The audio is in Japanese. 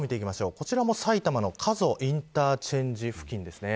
こちらも埼玉の加須インターチェンジ付近です。